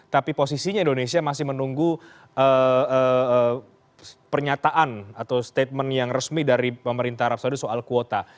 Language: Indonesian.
tapi posisinya indonesia masih menunggu pernyataan atau statement yang resmi dari pemerintah arab saudi soal kuota